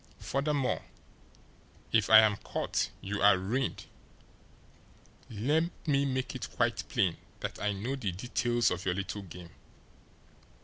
Furthermore, if I am caught you are ruined. Let me make it quite plain that I know the details of your little game.